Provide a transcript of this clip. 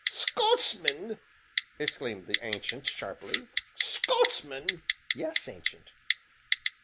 "Scotsman!" exclaimed the Ancient sharply. "Scotsman!" "Yes, Ancient."